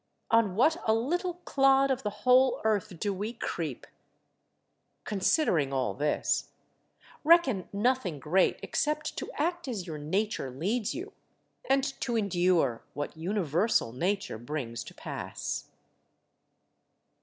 On what a little clod of the whole earth do we creep! Considering all this, reckon nothing great except to act as your nature leads you, and to endure what universal Nature brings to pass.